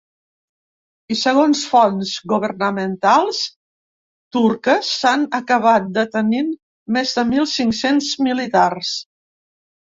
I segons fonts governamentals turques s’han acabat detenint més de mil cinc-cents militars.